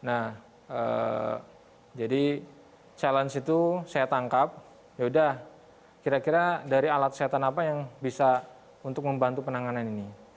nah jadi challenge itu saya tangkap yaudah kira kira dari alat kesehatan apa yang bisa untuk membantu penanganan ini